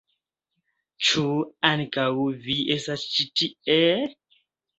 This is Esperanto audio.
Ĉu ankaŭ vi estas ĉi tie?